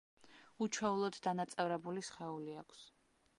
უჩვეულოდ დანაწევრებული სხეული აქვს.